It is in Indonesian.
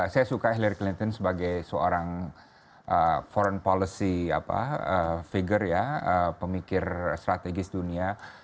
saya suka hillary clinton sebagai seorang foreign policy figure ya pemikir strategis dunia